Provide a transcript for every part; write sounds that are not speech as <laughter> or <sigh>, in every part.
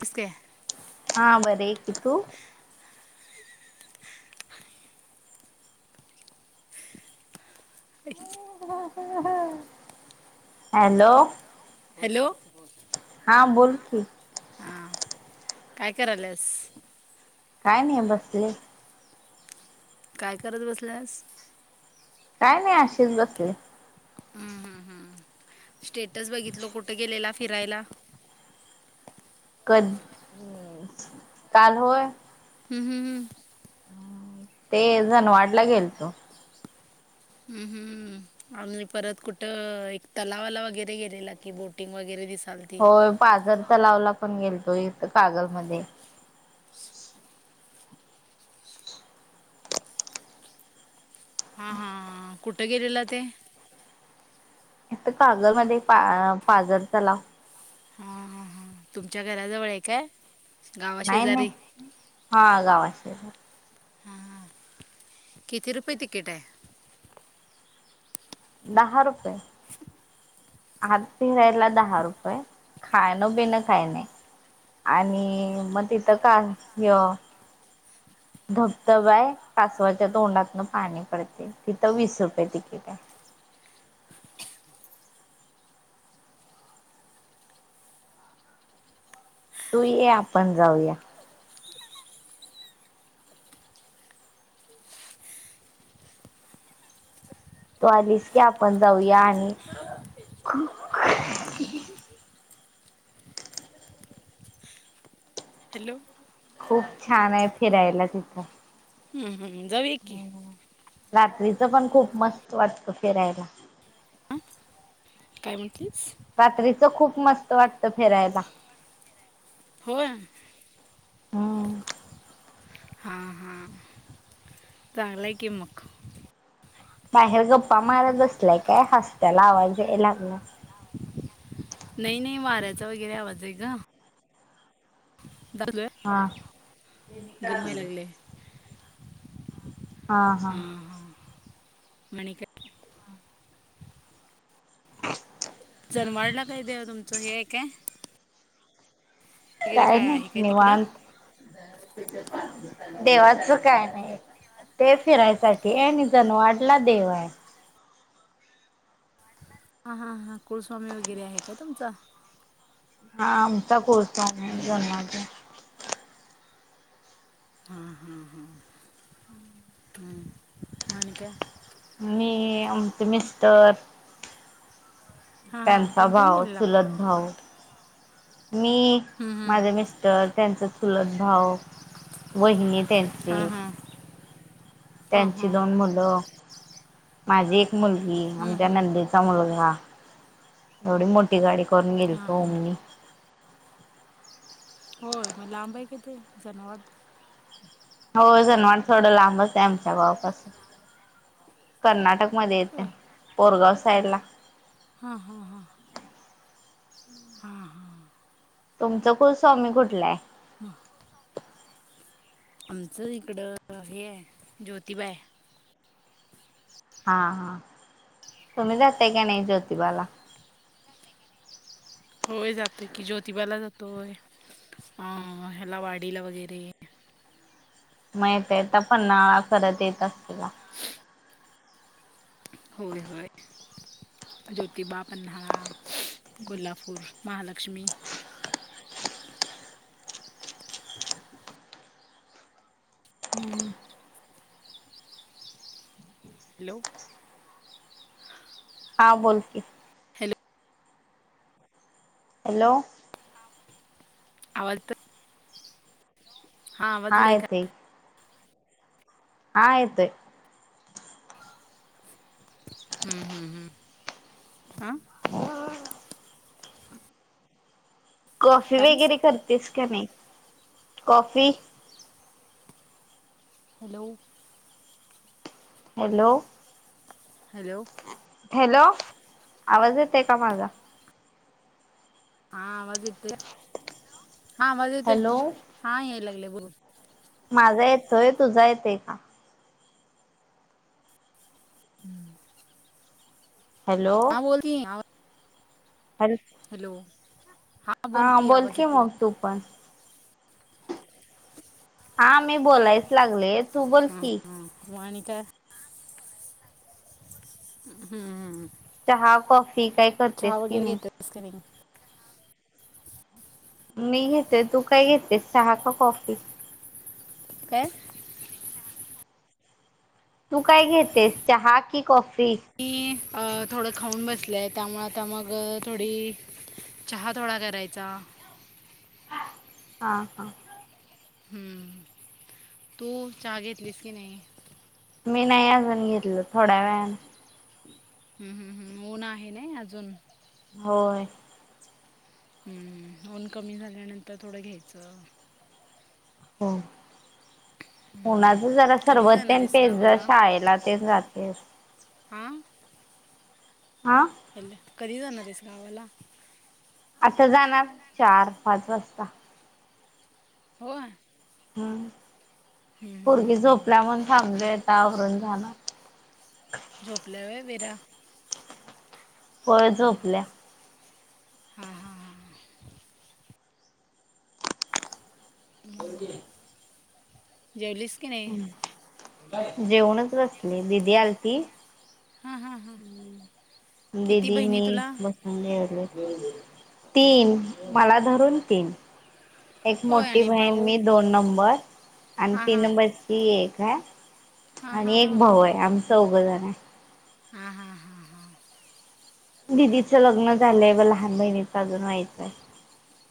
कस काय हा बरे आहे. तू <unintelligible> <unintelligible> हॅलो, हॅलो, हां बोलकी हा काय कराल्यास काय नाही बसले. काय करत बसल्यास काय नाही अशीच बसले. हम्म हम् हम् स्टेटस बघितल कुठे गेलेला फिरायला. क काल होय. हम्म हम् हम्म ते जणवाढला गेल तो. हम्म हम्म आणि परत कुठ एक तलावाला वगैरे गेलेला कि बोटिंग वगैरे दिस होय पाजरचा तलावला पण गेलतोय इथ कागल मध्ये हा हा कुठे गेलेला ते इथ कागल मध्ये पा पाजर तलाव हा हा हा तुमच्या घराजवळ आहे काय गावा नाही नाही शेजारी हा गावाच <unintelligible> हा ह किती रुपये तिकिट हाय दहा रुपये, आत फिरायला दहा रुपये खाणं पिणं काय नाही आणि मग तिथं काय ह्यो धबधबाय कासवाच्या तोंडातन पाणी पडतय तिथं वीस रुपये तिकीटाय तू ये आपण जाऊया तू आलीस की आपण जाऊया आणि <unintelligible> हॅलो खूप छान आहे फिरायला तिथं हम्म हम जाऊया की. रात्रीच पण खूप मस्त वाटत फिरायला हां काय म्हटलीस रात्रीच खूप मस्त वाटत फिरायला होय हम्म हा हा चांगलंय की मग बाहेर गप्पा मारत बसलाय काय हसत्याला आवाज याय लागलाय नाही नाही वाऱ्याचा वगैरे आवाज आहे ग हा <unintelligible> गरम व्हायलागलय हा हा आणि काय जनवाडला काय देव तुमचं हे आहे काय वगैरे काय आहे नाही तिकडं निवांत <unintelligible> देवाचं काय नाही ते फिरायसाठी आणि नि जन वाडला देव हाय हा हां हा कुळस्वामी वगैरे आहे का तुमचा हा हा आमचा <unintelligible> हा हा हा हम् मग आणि काय मी आमचे मिस्टर हा हा त्यांचा कोण कोण भाऊ गेलेला चुलत भाऊ मी हम्म, हम्म. माझे मिस्टर त्यांचा चुलत भाऊ वहिनी हा त्यांची हा हा त्यांची हा दोन मुलं माझी मुलगी हम्म, आमच्या हम्म. नंदेचा मुलगा एवढी मोठी गाडी करून हा गेलतो हा मी हो मग लांब आहे की जनावर हो जनवाड थोडं लांबच आहे आमच्या गावापासून कर्नाटक मध्ये येते होय पोरगाव सायला हा हा हा हा हा तुमचं कुल स्वामी कुठलाय आमचं इकड हे आहे ज्योतिबा हा हा तुम्ही जातय क नाही ज्योतिबाला होय जातोय की ज्योतिबाला जातोय अं ह्याला वाडीला वगैरे माहित तर पन्नाळा करत येत असशीला होय हय अ जोतिबा पन्हाळा कोल्हापूर महालक्ष्मी हम्म हॅलो हा बोलते हॅलो हॅलो आवल <unintelligible> हा येतोय <inaudible> हा येतोय हम्म हम्म हम्म आ कॉफी काली वगैरे करतेस का नाही coffee hello hello hello hello आवाज येते का माझा? हा आवाज येतोय हा आवाज येतोय हॅलो हा यायला लागले बोल <inaudible> माझा येतोय तुझा येतय का? <unintelligible> हॅलो हा <unintelligible> हॅल हॅलो हां हा बोल की आवाज बोलकी येतोय मग तू पण हा मी बोलायच लागलेत तु हां बोलकी हां <unintelligible> हम्म. चहा कॉफी काय चहा करतेस की वगैरे नाही? घेतेस का नाही मी घेते तू काय घेते चहा का कॉफी? काय? तू काय घेतेस चहा की कॉफी? ती अ थोडं खाऊन बसलेय त्यामुळ आता मग थोडी चहा थोडा करायचा. हां हां. हमम तू चहा घेतलीस की नाही? मी नाही अजून घेतलं थोड्या वेळान. हम् हम हम् ऊन आहे नय अजून. होय. हम्म ऊन कमी झाल्यानंतर थोडं घ्यायचं. हो. ऊनाच जरा कधी सरबत जाणार आहेस पेतजा गावाला शाळेला तेन जातेस. हांआ. हा कधी जाणार येतेस गावाला? आता जाणार चार पाच वाजता. वय. अं. पोरगी हम्म, हम्म. झोपल्या म्हणून थांबलेत. आवरून जाणार. झोपल्या होय वीरा? होय झोपल्या. हा हा हा. मग <unintelligible> जेवलीस का नाही? जेवूनच बसले दीदी आलती. हां हां हां किती दिदी बहिणी मी तुला बसून जेवलो. तीन मला धरून तीन. एक होय मोठी आणि बहीण भाऊ मी दोन नंबर आणि हां तीन हां नंबरची एक. काय? हां आणि हां एक भाऊ आहे आम्ही चौघजण हाय. हा हा हा हा. दिदीचं लग्न झालंय व लहान बहिणीचं अजून व्हायचंय.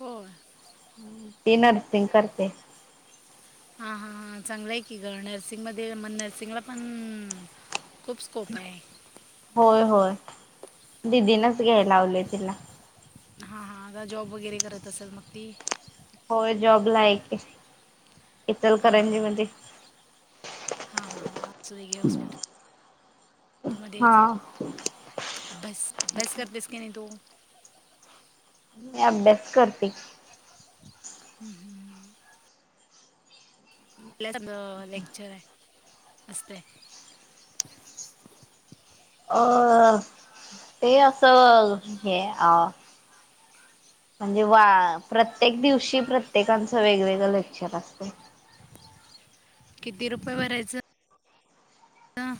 होय <inaudible> ती नर्सिंग करते. हा हा चांगलं आहे की ग नर्सिंग मध्ये म नर्सिंगला पण खूप स्कोप आहे. दीदीनच घ्यायला लावलंय तिला. हा, हा आता जॉब वगैरे करत असेल मग ती? होय जॉबला आहे कि इतलकरंजीमध्ये. हा, हा, हा असु दे घे हॉस्पिटलमध्ये, हा अभ्यास अभ्यास करतेस की नाही तु? मी अभ्यास करते. हं, हं, हं, हं. <unintelligible> अ लेक्चर आहे. असतंय. अ ते असं हे अ म्हणजे वा प्रत्येक दिवशी प्रत्येकांचं वेगवेगळं लेक्चर असतं. किती रुपये भरायचं? हां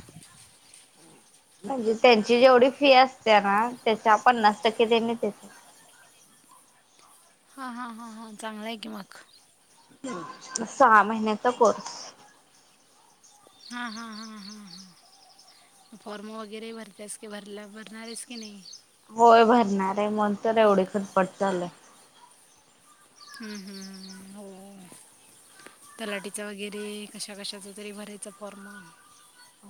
म्हणजे त्यांची जेवढी फी असते ना, त्याच्या पन्नास टक्के त्यांनी देण्यात. हा, हा, हा, हां चांगल हाय की मग. सहा महिन्याचा कोर्स हा, हा, हा, हा, हा. मग फॉर्म वगैरे भरतेस की भरला भरणार आहेस की नाही? होय भरणार आहे म्हणून तर एवढी खटपट चालु हाय. हं, हं, हं हो तलाटीचा वगैरे कशा कशाचं तरी भरायचि फॉर्म.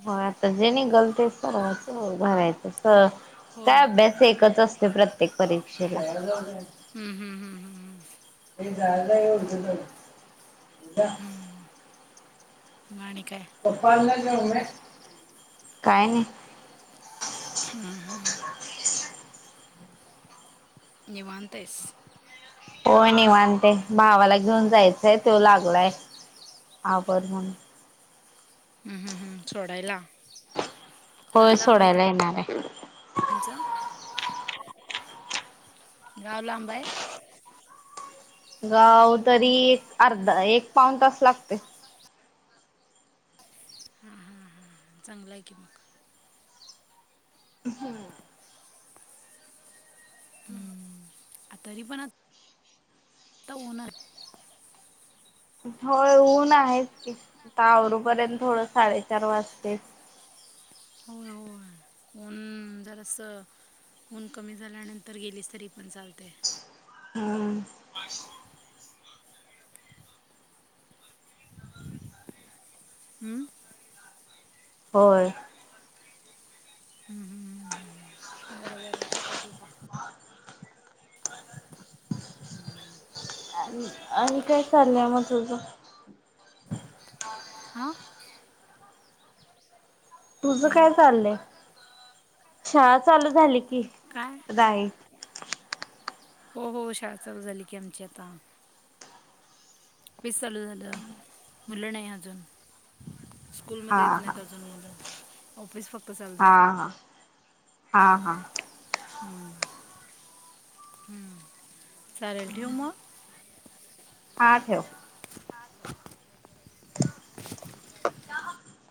हो आता जे निघलं ते सगळंच भरायचं. <unintelligible> होय काय होय अभ्यास एकच असते प्रत्येक परीक्षा <unintelligible> हम्म, हम्म, हम्म, हम्म. <unintelligible> <unintelligible> मग आणिक पप्पांना काय नाही. हं, हं, हं. निवांत हायस? हो निवांत ये. भावाला घेऊन जायचंय तो लागलाय आवर म्हणून. हम्म, हम्म, हम्म. सोडायला? गाव होय लांब आहे सोडायला येणार आहे. तुमचं गाव लांब हाय? गाव तरी अर्धा एक पाऊण तास लागतोय. हा, हा, हा चांगलं आहे की मग. हम्म. हम्म. आ तरी पण आ आता उन्हात होय ऊन आहेच की आता आवरोपर्यंत थोडं साडेचार वाजतेत. होय, होय ऊन जरास ऊन कमी झाल्यानंतर गेलीस तरी पण चालतय. हो. हम्म. होय. हम्म हम्म हम्म बर बर ठीक आहे ठीक आहे. <unintelligible> <unintelligible> आणि काय चाललंय मग तुझ आ, तुझ हॅलो काय चाललंय? शाळा चालू झाली. की काय जाईल. हो हो शाळा चालू झाली की आमची आता वीस चालू झालं मुलं नाही अजून हा स्कूलमध्ये येत हा नाहीत अजून मुलं ऑफिस फ हा हा हा हा हम्म हम्म चालेल ठेवू मग हा ठेव. <unintelligible> <unintelligible>